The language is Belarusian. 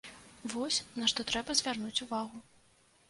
Вось, на што трэба звярнуць увагу.